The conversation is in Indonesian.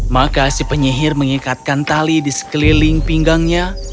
maka si penyihir mengikatkan tali di sekeliling pinggangnya